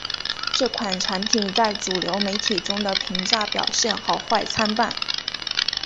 这款产品在主流媒体中的评价表现好坏参半。